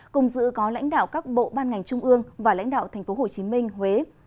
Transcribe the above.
cùng dự có lãnh đạo các bộ ban ngành trung ương và lãnh đạo tp hcm huế